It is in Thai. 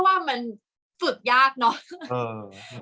กากตัวทำอะไรบ้างอยู่ตรงนี้คนเดียว